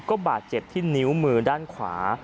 ก็บาดเจ็บที่นิ้วมือด้านขวา